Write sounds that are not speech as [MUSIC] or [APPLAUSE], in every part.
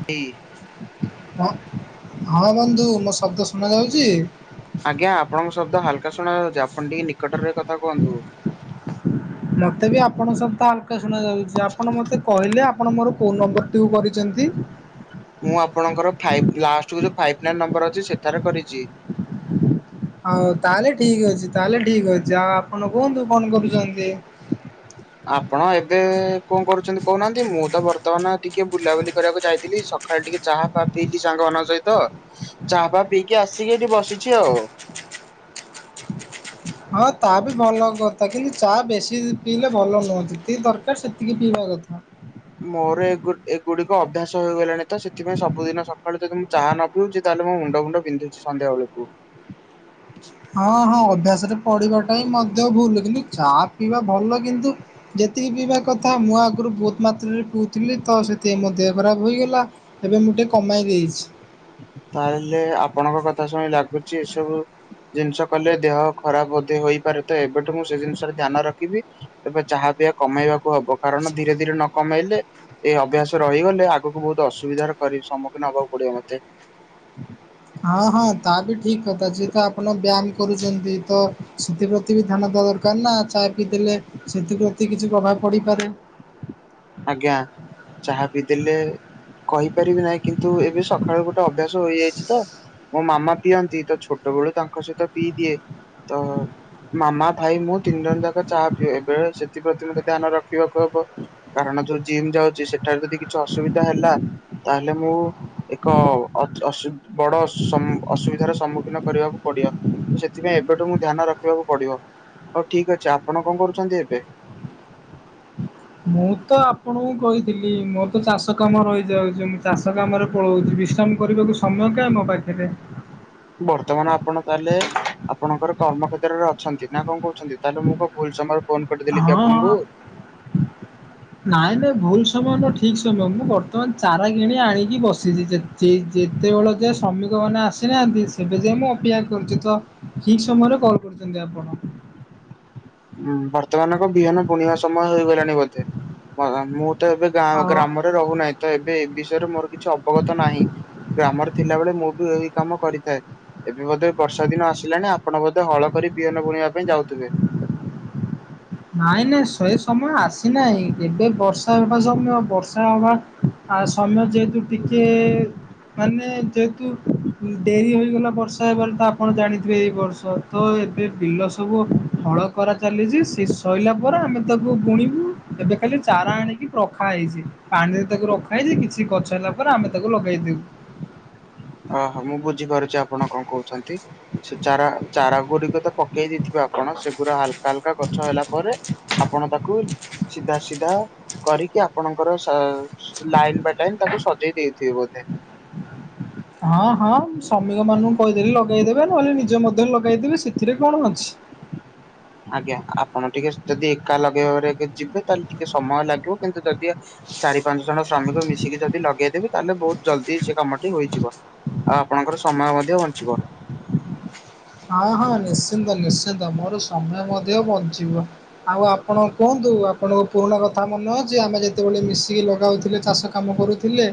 [UNINTELLIGIBLE] ହଁ ହଁ ବନ୍ଧୁ ମୋ ଶବ୍ଦ ଶୁଣା ଯାଉଛି? ଆଜ୍ଞା ଆପଣଙ୍କ ଶବ୍ଦ ହାଲକା ଶୁଣା ଯାଉଛି ଆପଣ ଟିକେ ନିକଟରେ ରହିକି କଥା କୁହନ୍ତୁ। ମତେ ବି ଆପଣଙ୍କ [UNINTELLIGIBLE] ହଲକା ଶୁଣ ଯାଉଛି ଆପଣ ମତେ କହିଲେ ଆପଣ ମୋର କୋଉ ନମ୍ବରଟିକୁ କରିଛନ୍ତି? ମୁଁ ଆପଣଙ୍କର ଫାଇପ୍ ଲାଷ୍ଟ କୁ ଯୋଉ ଫାଇପ୍ ନାଇନ୍ ନମ୍ବର ଅଛି ସେଠାରେ କରିଛି। ହଉ ତାହେଲେ ଠିକ ଅଛି ତାହେଲେ ଠିକ ଅଛି ଆଉ ଆପଣ କୁହନ୍ତୁ କଣ କରୁଛନ୍ତି? [INAUDIBLE] ଆପଣ ଏବେ କଣ କରୁଛନ୍ତି କହୁନାହାନ୍ତି ମୁଁ ତ ବର୍ତ୍ତମାନ ଟିକେ ବୁଲାବୁଲି କରିବାକୁ ଯାଇଥିଲି। ସ ସକାଳୁ ଟିକେ ଚାହାଫାଆ ପିଇିକି ସାଙ୍ଗମାନଙ୍କ ସହିତ ଚାହାଫା ପିଇକି ଆସିକି ଏଠି ବସିଛି ଆଉ। ହଁ ତା ବି ଭଲ କଥା କିନ୍ତୁ ଚା ବେଶୀ ପିଇଲେ ଭଲ ନୁହଁତି ଯେତିକି ଦରକାର ସେତିକି ପିଇବା କଥା। ମୋର ଏଗୁ ଏଗୁଡିକ ଅଭ୍ୟାସ ହେଇଗଲାଣି ତ ସେଥି ପାଇଁ ସବୁଦିନ ସକାଳୁ ଯଦି ମୁଁ ଚାହା ନ ପିଉଛି ତାହେଲେ ମୁଣ୍ଡ ମୁୁଣ୍ଡ ବିନ୍ଧୁଛି ସନ୍ଧ୍ୟାବେଳକୁ। ହଁ ହଁ ଅଭ୍ୟାସରେ ପଢ଼ିବାଟା ହିଁ ମଧ୍ୟ ଭୁଲ କିନ୍ତୁ ଚା ପିଇବା ଭଲ କିନ୍ତୁ ଯେତିକି ପିଇବା କଥା ମୁଁ ଆଗରୁ ବହୁତ ମାତ୍ରାରେ ପିଉ ଥିଲି ତ ସେତିକି ପାଇଁ ମୋ ଦେହ ଖରାପ ହୋଇଗଲା ଏବେ ମୁଁ ଟିକିଏ କମାଇ ଦେଇଛି। ତାହେଲେ ଆପଣଙ୍କ କଥା ଶୁଣି ଲାଗୁଛି ଏସବୁ ଜିନିଷ କଲେ ଦେହ ଖରାପ ଅଧ ହେଇପାରେ ତ ଏବେଠୁ ମୁଁ ସେ ଜିନିଷରେ ଧ୍ୟାନ ରଖିବି। ତବେ ଚାହା ପିଆ କମେଇବାକୁ ହବ କାରଣ ଧୀରେ ଧୀରେ ନ କମେଇଲେ ଏ ଅଭ୍ୟାସ ରହିଗଲେ ଆଗକୁ ବହୁତ ଅସୁବିଧାର ସମ୍ମୁଖୀନ ହବାକୁ ପଡିବ ମତେ ହଁ। ହଁ ହଁ ତା ବି ଠିକ କଥା ଯେେତ ଆପଣ ବ୍ୟାୟାମ କରୁଛନ୍ତି ତ ସେଥିପ୍ରତି ବି ଧ୍ୟାନ ଦବା ଦରକାର ନା ଚା ପିଇଲେ ସେଥି ପ୍ରତି କିଛି ପ୍ରଭାବ ପଡିପାରେ। ଆଜ୍ଞା ଚାହା ପିଇ ଦେଲେ କହିପାରିବି ନାହିଁ କିନ୍ତୁ ତୁ ଏବେ ସକାଳୁ ଗୋଟେ ଅଭ୍ୟାସ ହେଇଯାଇଛି ତ ମୋ ମାମା ପିଅନ୍ତି ତ ଛୋଟବେଳୁ ତାଙ୍କ ସହିତ ପିଇ ଦିଏ। ତ ହୁଁ ମାମା ଭାଇ ମୁଁ ତିନି ଜଣ ଯାକ ଚାହା ପିଅ ଏବେ ସେଥିପ୍ରତି ମୋତେ ଧ୍ୟାନ ରଖିବାକୁ ହବ। କାରଣ ଯୋଉ ଜିମ୍ ଯାଉଚି ସେଠାରେ ଯଦି କିଛି ଅସୁବିଧା ହେଲା ତାହେଲେ ମୁଁ ଏକ ଅସୁ ବଡ଼ ସମ୍ ଅସୁବିଧାର ସମ୍ମୁଖୀନ କରିବାକୁ ପଡ଼ିବ। ତ ସେଥିପାଇଁ ଏବେଠୁ ମୁ ଧ୍ୟାନ ରଖିବାକୁ ପଡ଼ିବ ହଉ ଠିକ୍ ଅଛି ଆପଣ କଣ କରୁଚନ୍ତି ଏବେ? ମୁଁ ତ ଆପଣଙ୍କୁ କହିି ଥିଲି ମୋରତ ଚାଷ କାମ ରହିଯାଉଚି ମୁଁ ଚାଷ କାମରେ ପଳଉଚି ବିଶ୍ରାମ କରିବାକୁ ସମୟ କଁ ମୋ ପାଖରେ ବର୍ତ୍ତମାନ ଆପଣ ତାହେଲେ ଆପଣଙ୍କର କର୍ମକ୍ଷ୍େତ୍ରରେ ଅଛନ୍ତି ନା କଣ କହୁଚନ୍ତି? ତାହେଲେ ମୁଁ କଣ ଭୁଲ ସମୟରେ ଫୋନ୍ କରିଦେଲିକି ହଁ ହଁ। ଆପଣଙ୍କୁ? ନାଇଁ ନାଇଁ ଭୁଲ ସମୟ ନୁହଁ ଠିକ୍ ସମୟ ମୁଁ ବର୍ତ୍ତମାନ ଚାରା କିଣି ଆଣିକି ବସିଚି ସେ ଯେତେବେଳେ ଯାଏ ଶ୍ରମିକମାନେ ଆସିନାହାନ୍ତି ସେବେଯାଏ ମୁଁ ଅପେକ୍ଷା କରିଚି ତ ଠିକ୍ ସମୟରେ କଲ୍ କରୁଚନ୍ତି ଆପଣ। ଉଁ ବର୍ତ୍ତମାନଙ୍କ ବିହନ ବୁଣିବା ସମୟ ହେଇଗଲାଣି ବୋଧେ ମୁଁ ତ ଏବେ ଗାଁ ହଁ। ଗ୍ରାମରେ ରହୁନାହିଁତ ଏବେ ଏ ବିଷୟରେ ମୋର କିଛି ଅବଗତ ନାହିଁ। ଗ୍ରାମର ଥିଲା ବଳେ ମୁଁବି ଏଇ କାମ କରିଥାଏ। ଏବେ ବୋଧ ବର୍ଷା ଦିନ ଆସିଲାନି ଆପଣ ବୋଧେ ହଳ କରି ବିହନ ବୁଣିବା ପାଇଁ ଯାଉଥିବେ? ନାଇଁ ନାଇଁ ଶେଇ ସମୟ ଆସିନାହିଁ ଏବେ ବର୍ଷା ହବା ଜମିବ ବର୍ଷା ହବା ଆଉ ସମୟ ଯେହେତୁ ଟିକେ ମାନେ ଯେହେତୁ ଡେରି ହେଇଗଲା ବର୍ଷା ହେବାରେତ ଆପଣ ଜାଣିଥିବେ ଏଇ ବର୍ଷତ ଏବେ ବିଲ ସବୁ ହଳ କରା ଚାଲିଚି ସେସଇଲା ପରେ ଆମେ ତାକୁ ବୁଣିବୁ ଏବେ ଖାଲି ଚାରା ଆଣିକି ରଖା ହେଇଚି ପାଣିରେ ତାକୁ ରଖା ହେଇଚି କିଛି ଗଛ ହେଲା ପରେ ଆମେ ତାକୁ ଲଗେଇ ଦେବୁ। ଓହୋ ମୁଁ ବୁଝିପାରୁଚି ଆପଣ କଣ କହୁଚନ୍ତି। ସେ ଚାରା ଚାରା ଗୁଡ଼ିକତ ପକେଇ ଦେଇଥିବ ଆପଣ ସେଗୁଡ଼ା ହାଲକା ହାଲକା ଗଛ ହେଲା ପରେ ଆପଣ ତାକୁ ସିଧା ସିଧା କରିକି ଆପଣଙ୍କର ଲାଇନ୍ ବାଇ ଲାଇନ ତାକୁ ସଜେଇ ଦେଇଥିବେ ବୋଧେ? ହଁ ହଁ ଶ୍ରମିକ ମାନଙ୍କୁ କହିଦେଲି ଲଗେଇଦେବେ ନହେଲେ ନିଜ ମଧ୍ୟରେ ଲଗେଇଦେବେ ସେଥିରେ କଣ ଅଛି। ଆଜ୍ଞା ଆପଣ ଟିକେ ଯଦି ଏକା ଲଗେଇବାରେ ଯିବେ ତାହେଲେ ଟିକେ ସମୟ ଲାଗିବ କିନ୍ତୁ ଯଦି ଚାରି ପାଞ୍ଚ ଜଣ ଶ୍ରମିକ ମିଶିକି ଯଦି ଲଗେଇଦେବି ତାହେଲେ ବହୁତ୍ ଜଲ୍ଦି ସେ କାମଟି ହୋଇଇଯିବ ଆଉ ଆପଣଙ୍କର ସମୟ ମଧ୍ୟ ବଞ୍ଚିବ। ହଁ ହଁ ନିଶ୍ଚିନ୍ତ ନିଶ୍ଚିନ୍ତ ମୋର ସମୟ ମଧ୍ୟ ବଞ୍ଚିବ। ଆଉ ଆପଣ କୁହନ୍ତୁ ଆପଣଙ୍କ ପୁରୁଣା କଥା ମନ ଯେ ଆମେ ଯେତେବେଳେ ମିଶିକି ଲଗାଉଥିଲେ ଚାଷ କାମ କରୁଥିଲେ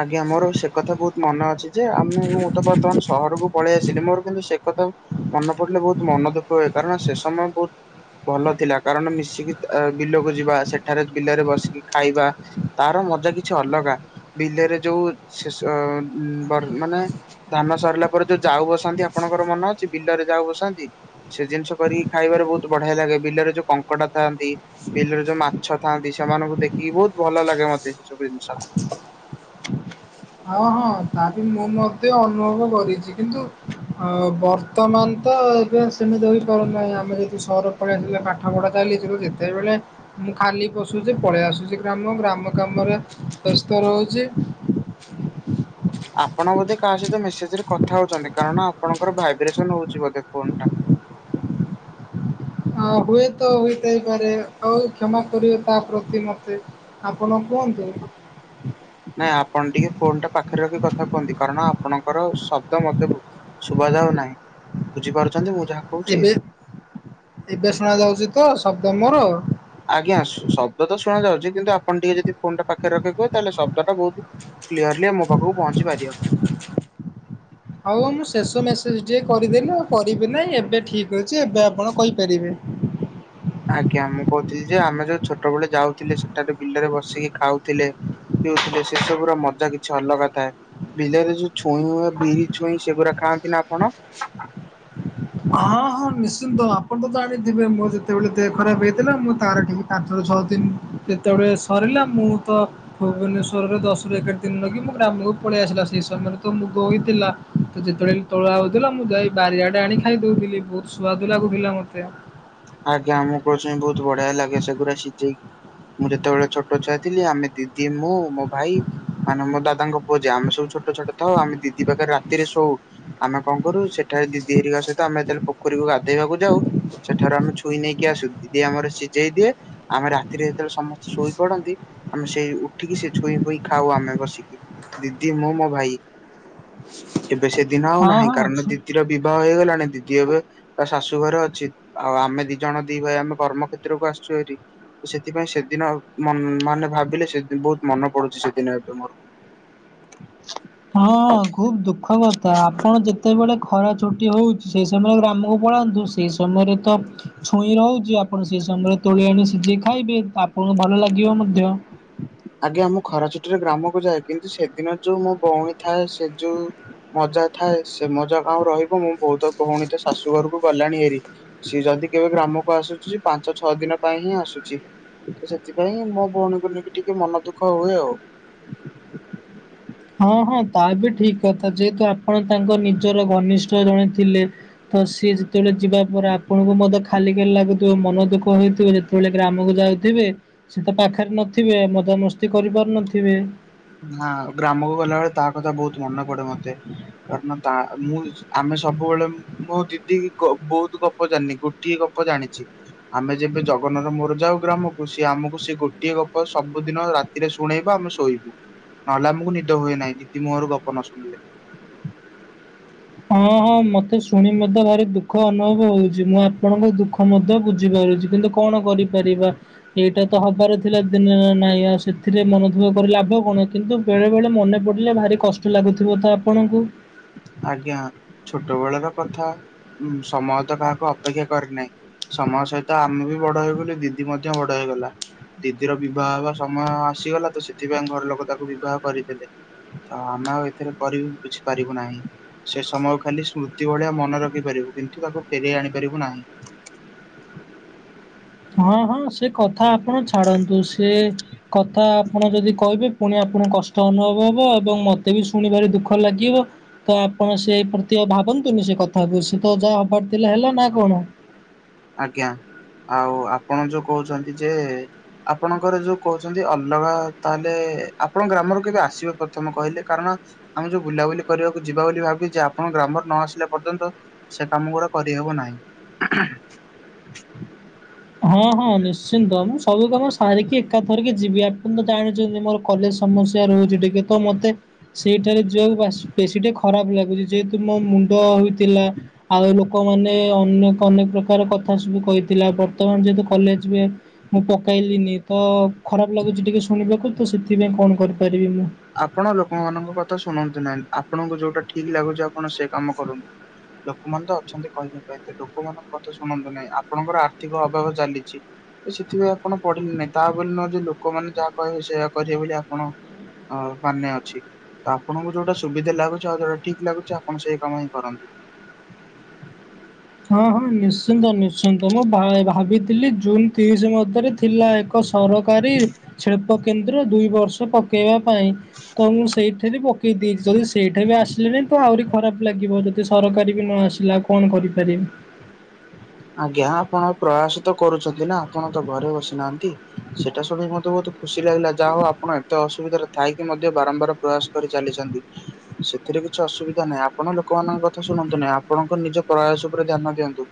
ଆଜ୍ଞା ମୋର ସେକଥା ବହୁତ୍ ମନେ ଅଛିଯେ ଆମ ମୁଁ ତ ବର୍ତ୍ତମାନ ସହରକୁ ପଳେଇ ଆସିଲି ମୋର କିନ୍ତୁ ସେକଥାକୁ ମନେ ପଡ଼ିଲେ ବହୁତ୍ ମନ ଦୁଃଖ ହୁଏ କାରଣ ସେ ସମୟ ବହୁତ୍ ଭଲ ଥିଲା କାରଣ ମିଶିକି ବିଲକୁ ଯିବା ସେଠାରେ ବିଲରେ ବସିକି ଖାଇବା ତାର ମଜା କିଛି ଅଲଗା ବିଲରେ ଯୋଉେ ସେସ ବର୍ ମାନେ ଧାନ ସରିଲା ପରେ ଯୋଉ ଯାଉ ବସାନ୍ତି ଆପଣଙ୍କର ମନେ ଅଛି ବିଲରେ ଯାଉ ବସାନ୍ତି? ସେ ଜିନିଷ କରିକି ଖାଇବାରେ ବହୁତ୍ ବଢିଆ ଲାଗେ ବିଲରେ ଯୋଉ କଙ୍କଡ଼ା ଥାଆନ୍ତି। ବିଲରେ ଯୋଉ ମାଛ ଥାଆନ୍ତି ସେମାନଙ୍କୁ ଦେଖିକି ବହୁତ୍ ଭଲ ଲାଗେ ମତେ ସେସବୁ ଜିନିଷ। ହଁ ହଁ ତାବି ମୁଁ ମତେ ଅନୁଭବ କରିଚି କିନ୍ତୁ ଅ ବର୍ ବର୍ତ୍ତମାନତ ଏବେ ଆଉ ସେମିତି ହୋଇପାରୁନାହିଁ ଆମେ ଯଦି ସହର ପଳେଇ ଆସେ ପାଠପଢ଼ା ଚାଲିଥିଲୁ ଯେତେବେଳେ ମୁଁ ଖାଲି ପସୁଚି ପଳେଇ ଆସୁଚି ଗ୍ରାମ ଗ୍ରାମ କାମରେ ବ୍ୟସ୍ତ ରହୁଚି [INAUDIBLE] ଆପଣ ବୋଧେ କାହା ସହିତ ମେସେଜରେ କଥା ହଉଚନ୍ତି କାରଣ ଆପଣଙ୍କର ଭାଇବ୍ରେସନ ହଉଚି ବୋଧେ ଫୋନ୍ ଟା ଆ ହୁଏତ ହୋଇଥାଇପାରେ ଆଉ କ୍ଷମା କରିବେ ତାପ୍ରତି ମତେ ଆପଣ କୁହନ୍ତୁ। ନାଇଁ ଆପଣ ଟିକେ ଫୋନ ଟା ପାଖରେ ରଖି କଥା କୁହନ୍ତି କାରଣ ଆପଣଙ୍କର ଶବ୍ଦ ମତେ ସୁଭା ଯାଉ ନାହିଁ ବୁଝିପାରୁଛନ୍ତି ମୁଁ ଯାହା କହୁଛି ଏବେ ଏବେ ଶୁଣ ଯାଉଛି ତ ସବ୍ଦ ମୋର। ଆଜ୍ଞା ଶବ୍ଦ ତ ଶୁଣା ଯାଉଛି କିନ୍ତୁ ଆପଣ ଟିକେ ଯଦି ଫୋନ୍ଟା ପାଖରେ ରଖି କହିବେ ତାହେଲେ ଶବ୍ଦ ଟା ବହୁତ। କ୍ଲିୟରଲି ଆମ ପାଖକୁ ପହଞ୍ଚି ପାରିବ। ହଉ ମୁଁ ଶେଷ ମେସେଜ ଟିକେ କରିଦେଲି ଆଉ କରିବି ନାହିଁ ଏବେ ଠିକ ଅଛି ଏବେ ଆପଣ କହିପାରିବେ। ଆଜ୍ଞା ମୁଁ କହୁଥିଲି ଯେ ଆମେ ଯୋଉ ଛୋଟବେଳେ ଯାଉଥିଲେ ସେଠାରେ ବିଲରେ ବସିକି ଖାଉଥିଲେ। ପିଉଥିଲେ ସେ ସବୁର ର ମଜା କିଛି ଅଲଗା ଥାଏ। ବିଲରେ ଯୋଉ ଛୁଇଁ ହୁଏ ବିରି ଛୁଇଁ ସେଗୁଡ଼ା ଖାନ୍ତି ନା ଆପଣ। ହଁ ହଁ ନିଶ୍ଚିନ୍ତ ଆପଣ ତ ଜାଣିଥିବେ ମୋର ଯେତେବେଳେ ଦେହ ଖରାପ ହେଇଥିଲା ମୁଁ ତାର ଟି ପାଞ୍ଚରୁ ଛଅ ଦିନ ଯେତେବେଳେ ସରିଲା ମୁଁ ତ। ଭୁବନେଶ୍ଵରରେ ଦଶରୁ ଏକାର ଦିନ ରହିକିି ମୁଁ ଗ୍ରାମକୁ ପଳେଇ ଆସିଲି ଆଉ ସେଇ ସମୟରେ ତ ମୁଗ ହୋଇଥିଲା। ତ ଯେତେବେଳେ ତୋଳ ହଉଥିଲା ମୁଁ ଯାଇ ବାରିଆଡେ ଆଣି ଖାଇ ଦଉଥିଲି ବହୁତ ସୁଆଦ ଲାଗୁଥିଲା ମତେ। ଆଜ୍ଞା ମୁଗ ଛୁଇଁ ବହୁତ ବଢିଆ ଲାଗେ ସେଗୁଡା ସିଝେଇକି। ମୁଁ ଯେତେବେଳେ ଛୋଟ ଛୁଆ ଥିଲି ଆମେ ଦିଦି ମୁଁ ମୋ ଭାଇ। ମାନେ ମୋ ଦାଦାଙ୍କ ପୁଅ ଯିଏ ଆମେ ସବୁ ଛୋଟ ଛୋଟ ଥାଉ ଆମେ ଦିଦି ପାଖରେ ରାତିରେ ଶୋଉ। ଆମେ କଁ କରୁ ସେଠାରେ ଦିଦି ହେରିକ ସହିତ ଆମେ ଯେତେବେ ପୋରୀକୁ ଗାଧେଇବାକୁ ଯାଉ। ସେଠାରୁ ଆମେ ଛୁଇ ନେଇକି ଆସୁ ଦିଦି ଆମର ସିଝେଇ ଦିଏ। ଆମେ ରାତିରେ ଯେତେବେଳେ ସମସ୍ତେ ଶୋଇ ପଡନ୍ତି ଆମେ ସେଇ ଉଠିକି ସେ ଛୁଇ ଫୁଇଁ ଖାଉ ଆମେ ବସିକି। ଦିଦି ମୁଁ ମୋ ଭାଇ ଏବେ ସେ ଦିନ ଆଉ ହଁ ନାହିଁ ହଁ କାରଣ ଛୁ ଦିଦିର ବି ବିବାହ ହେଇଗଲାଣି ଦିଦି ଏବେ ତା ଶାଶୁଘର ଅଛି। ଆଉ ଆମେ ଦି ଜଣ ଦି ଭାଇ ଆମେ କର୍ମ କ୍ଷେତ୍ରକୁ ଆସିଛୁ ହାରି। ତ ସେଥିପାଇଁ ସେଦିନ ଆଉ ମାନ୍ ମାନେ ଭାବିଲେ ସେଦିନ ବହୁତ ମନେ ପଡୁଛି ସେଦିନ ଏବେ ମୋର। ହଁ ଖୁବ ଦୁଃଖ କଥା ଆପଣ ଯେତେବେଳେ ଖରା ଛୁଟି ହଉଛି ସେ ସମଳେ ଗ୍ରାମକୁ ପଳାନ୍ତୁ ସେ। ସେଇ ସମୟରେ ତ। ଛୁଇଁ ରହୁଛି ଆପଣ ସେହି ସମୟରେ ତୋଳି ଆଣି ସିଝେଇ ଖାଇବେ ତ ଆପଣଙ୍କୁ ଭଲ ଲାଗିବ ମଧ୍ୟ। ଆଜ୍ଞା ମୁଁ ଖରା ଛୁଟିରେ ଗ୍ରାମକୁ ଯାଏ କିନ୍ତୁ ସେଦିନ ଯୋଉ ମୋ ଭଉଣୀ ଥାଏ ସେ ଯୋଉ। ମଜା ଥାଏ ସେ ମଜା କଁ ଆଉ ରହିବ ମୋ ବୋଉ ତ ଭଉଣୀ ତ ଶାଶୁ ଘରକୁ ଗଲାଣି ହେରି। ସିଏ ଯଦି କେବେ ଗ୍ରାମକୁ ଆସୁଛି ସ ପାଞ୍ଚ ଛଅ ଦିନ ପାଇଁ ହିଁ ଆସୁଛି। ତ ସେଥିପାଇଁ ମୋ ଭଉଣୀକୁ ନେଇକି ଟିକେ ମନ ଦୁଃଖ ହୁଏ ଆଉ। ହଁ ହଁ ତା ବି ଠିକ କଥା ଯେହେତୁ ଆପଣ ତାଙ୍କ ନିଜର ଘନିଷ୍ଠ ଜଣେ ଥିଲେ। ତ ସିଏ ଯେତେବେଳେ ଯିବା ପରେ ଆପଣଙ୍କୁ ମଧ୍ୟ ଖାଲି ଖାଲି ଲାଗୁଥିବ ମନ ଦୁଃଖ ହେଇଥିବ। ଯେତେବେଳେ ଗ୍ରାମକୁ ଯାଉଥିବେ ସେ ତ ପାଖରେ ନଥିବେ ମଜାମସ୍ତି କରି ପାରୁନଥିବେ। ନା ଗ୍ରାମକୁ ଗଲାବେଳେ ତା କଥା ବହୁତ ମନେ ପଡେ ମତେ। କାରଣ ତା ମୁଁ ଆମେ ସବୁବେଳେ ମୋ ଦିଦି ବହୁତ ଗପ ଜାଣିନି ଗୋଟିଏ ଗପ। ଜାଣିଛି। ଆମେ ଯେବେ ଜଗନ ର ମୋର ଯାଉ ଗ୍ରାମକୁ ସିଏ ଆମକୁ ସେଇ ଗୋଟିଏ ଗପ ସବୁଦିନ ରାତି ରେ ଶୁଣେଇବା ଆମେ ଶୋଇବୁ। ନହେଲେ ଆମକୁ ନିଦ ହୁଏ ନାହିଁ ଦିଦି ମୁହର ଗପ ନ ଶୁଣିଲେ। ହଁ ହଁ ମୋତେ ଶୁଣି ମଧ୍ୟ ଭାରି ଦୁଃଖ ଅନୁଭବ ହଉଛି ମୁଁ ଆପଣଙ୍କ ଦୁଃଖ ମଧ୍ୟ ବୁଝିପାରୁଛି କିନ୍ତୁ। କଣ କରି ପାରିବା। ଏଇଟା ତ ହବାର ଥିଲା ଦିନେ ନା ନାଇଁ ଆଉ ସେଥିରେ ମନଦୁଃଖ କରି ଲାଭ କଣ କିନ୍ତୁ। ବେଳେ ବେଳେ ମନେ ପଡିଲେ ଭାରି କଷ୍ଟ ଲାଗୁଥିବ ତ ଆପଣଙ୍କୁ। ଆଜ୍ଞା ଛୋଟ ବେଳର କଥା ସମୟ ତ କାହାକୁ ଅପେକ୍ଷା କରିନାହିଁ। ସମୟ ସହିତ ଆମେ ବି ବଡ ହେଇଗଲୁ ଦିଦି ମଧ୍ୟ ବଡ ହେଇଗଲା। ଦିଦିର ବିବାହ ହେବା ସମୟ ଆସିଗଲା ତ ସେଥିପାଇଁ ଘର ଲୋକ ତାକୁ ବିବାହ କରିଦେଲେ। ତ ଆମେ ଆଉ ଏଥିରେ କରିବୁ କିଛି ପାରିବୁ ନାହିଁ। ସେ ସମୟକୁ ଖାଲି ସ୍ମୃତି ଭଳିଆ ମନେ ରଖିପାରିବୁ କିନ୍ତୁ ତାକୁ ଫେରେଇ ଆଣିପାରିବୁ ନାହିଁ। ହଁ ହଁ ସେ କଥା ଆପଣ ଛାଡ଼ନ୍ତୁ ସେ କଥା ଆପଣ ଯଦି କହିବେ ପୁଣି ଆପଣଙ୍କୁ କଷ୍ଟ ଅନୁଭବ ହବ ଏବଂ ମତେ ବି ଶୁଣିବାରେ ଦୁଃଖ ଲାଗିବ। ତ ଆପଣ ସେ ପ୍ରତିୟ ଆଉ ଭାବନ୍ତୁନି ସେ କଥାକୁ ସେ ତ ଯାହା ହବାର ଥିଲା ହେଲା ନା କଣ? ଆଜ୍ଞା ଆଉ ଆପଣ ଯୋଉ କହୁଛନ୍ତି ଯେ ଆପଣଙ୍କର ଯୁ କହୁଛନ୍ତି ଅଲଗା ତାହାଲେ ଆପଣ ଗ୍ରାମରୁ କେବେ ଆସିବେ ପ୍ରଥମେ କହିଲେ କାରଣ ଆମେ ଯୁ ବୁଲାବୁଲି କରିବାକୁ ଯିବା ବୋଲି ଭାବିଚେ ଆପଣ ଗ୍ରାମରୁ ନ ଆସିଲା ପର୍ଯ୍ୟନ୍ତ ସେ କାମ ଗୁଡା କରିହେବ ନାହିଁ। [UNINTELLIGIBLE] ହଁ ହଁ ନିଶ୍ଚିନ୍ତ ମୁଁ ସବୁ କାମ ସାରିକି ଏକାଥରକେ ଯିବି ଆ ଜାଣିଛନ୍ତି ମୋର କଲେଜ ସମସ୍ୟା ରହୁଚି ଟିକେ ତ ମତେ ସେଇଠାରେ ଯିବାକୁ ବାସ୍ ବେଶୀ ଟିକେ ଖରାପ ଲାଗୁଚି ଯେହେତୁ ମୋ ମୁଣ୍ଡ ହୋଇଥିଲା ଆଉ ଲୋକମାନେ ଅନେକ ଅନେକ ପ୍ରକାର କଥା ସବୁ କହିଥିଲା ବର୍ତ୍ତମାନ ଯେହେତୁ କଲେଜ ହୁଏ ମୁଁ ପକାଇଲିିନି ତ ଖରାପ ଲାଗୁଚି ଟିକେ ଶୁଣିବାକୁ ତ ସେଥିପାଇଁ କଣ କରିପାରିବି? ଆପଣ ଲୋକମାନଙ୍କ କଥା ଶୁଣନ୍ତୁ ନାହିଁ ଆପଣଙ୍କୁ ଯୋଉଟା ଠିକ୍ ଲାଗୁଚି ଆପଣ ସେ କାମ କରନ୍ତୁ। ଲୋକମାନେ ତ ଅଛନ୍ତି କହିବା ପାଇଁ ତ ଲୋକମାନଙ୍କ କଥା ଶୁଣନ୍ତୁ ନାହିଁ ଆପଣଙ୍କର ଆର୍ଥିକ ଅଭାବ ଚାଲିଚି। ସେଥିପାଇଁ ଆପଣ ପଢିଲେ ନାହିଁ ତାବୋଲି ନୁହଁ ଯେ ଲୋକମାନେ ଯାହା କହିବେ ସେଇଆ କରିବେ ବୋଲି ଆପଣ ହଁ ପାନେ ଅଛି। ତ ଆପଣଙ୍କୁ ଯୋଉଟା ସୁବିଧା ଲାଗୁଚି ଆଉ ଯୋଉଟା ଠିକ୍ ଲାଗୁଚି ଆପଣ ସେଇ କାମ ହିଁ କରନ୍ତୁ। ହଁ ହଁ ନିଶ୍ଚିନ୍ତ ନିଶ୍ଚିନ୍ତ ମୁଁ ଭା ଭାବିଥିଲି ଜୁନ୍ ତିରିଶି ମଧ୍ୟରେ ଥିଲା ଏକ ସରକାରୀ ଛେପ କେନ୍ଦ୍ର ଦୁଇ ବର୍ଷ ପକେଇବା ପାଇଁ। ତ ମୁଁ ସେଇଥିରେ ପକେଇଦେଇଛି ଯଦି ସେଇଟା ବି ଆସିଲାନିତ ଆହୁରି ଖରାପ ଲାଗିବ। ଯଦି ସରକାରୀ ବି ନ ଆସିଲା କଣ କରିପାରିବି? ଆଜ୍ଞା ଆପଣ ପ୍ରୟାସ ତ କରୁଛନ୍ତି ନା ଆପଣ ତ ଘରେ ବସି ନାହାଁନ୍ତି ସେଇଟା ଶୁଣିକି ମତେ ବହୁତ ଖୁସି ଲାଗିଲା ଯାହା ହଉ ଆପଣ ଏତେ ଅସୁବିଧାରେ ଥାଇକି ମଧ୍ୟ ବାରମ୍ବାର ପ୍ରୟାସ କରି ଚାଲିଛନ୍ତି। ସେଥିରେ କିଛି ଅସୁବିଧା ନାହିଁ ଆପଣ ଲୋକମାନଙ୍କ କଥା ଶୁଣନ୍ତୁ ନାହିଁ ଆପଣଙ୍କ ନିଜ ପ୍ରୟାସ ଉପରେ ଧ୍ୟାନ ଦିଅନ୍ତୁ।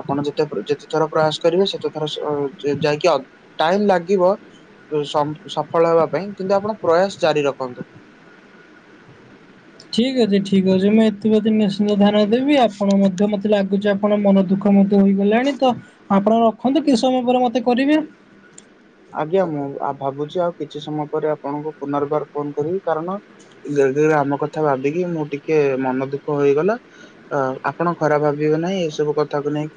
ଆପଣ ଯେତେ ଯେତେ ଥର ପ୍ରୟାସ କରିବେ ସେତେ ଥର ସେ ଯାଇକି ଟାଇମ ଲାଗିବ ସ ସଫଳ ହେବା ପାଇଁ କିନ୍ତୁ ଆପଣ ପ୍ରୟାସ ଜାରି ରଖନ୍ତୁ। ଠିକ୍ ଅଛି ଠିକ୍ ଅଛି ମୁଁ ଏଥିପ୍ରତି ନିଶ୍ଚିନ୍ତ ଧ୍ୟାନ ଦେବି ଆପଣ ମଧ୍ୟ ମତେ ଲାଗୁଚି ଆପଣ ମନ ଦୁଃଖ [UNINTELLIGIBLE] ମଧ୍ୟ ହୋଇଗଲାଣି ତ ଆପଣ ରଖନ୍ତୁ କିଛି ସମୟ ପରେ ମୋତେ କରିବେ। ଆଜ୍ଞା ମୁଁ ଭାବୁଚି ଆଉ କିଛି ସମୟ ପରେ ଆପଣଙ୍କୁ ପୁନର୍ବାର ଫୋନ କରିବି କାରଣ ଧୀରେ ଧୀରେ ଆମ କଥା ଭାବିକି ମୁଁ ଟିକେ ମନ ଦୁଃଖ ହେଇଗଲା। ଅ ଆପଣ ଖରାପ ଭାବିବେ ନାହିଁ ଏସବୁ କଥାକୁ ନେଇ।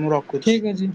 ମୁଁ ର ଠିକ୍ ଅଛି।